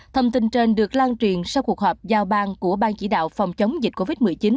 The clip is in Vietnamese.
thông tin trên được lan truyền sau cuộc họp giao bang của bang chỉ đạo phòng chống dịch covid một mươi chín